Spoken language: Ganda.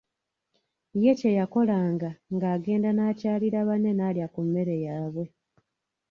Ye kye yakolanga ng'agenda n'akyalira banne n'alya ku mmere yaabwe.